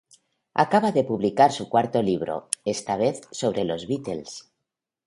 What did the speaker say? Acaba de publicar su cuarto libro, esta vez sobre Los Beatles.